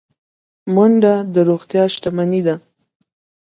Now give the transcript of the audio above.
منډه د روغتیا شتمني ده